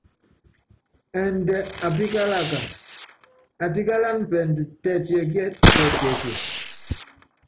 Ɛɛndɛ apíkálaka, atíkálána pɛɛdu tɛtiɛkíɛtɛtiɛkiɛ.